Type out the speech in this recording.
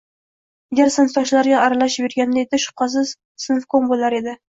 Agar sinfdoshlariga aralashib yurganida edi, shubhasiz, sinfkom bo`lar edi